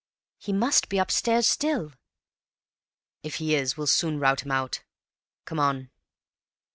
"He must be upstairs still!" "If he is we'll soon rout him out. Come on!"